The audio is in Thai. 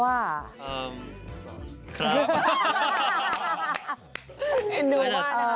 ครับ